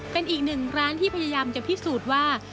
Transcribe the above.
เป็นอีกหนึ่งร้านที่พยายามจะพิสูจน์ว่า